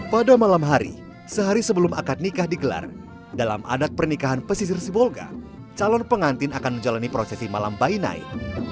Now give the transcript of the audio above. pada malam hari sehari sebelum akad nikah digelar dalam adat pernikahan pesisir sibolga calon pengantin akan menjalani prosesi malam bayi naik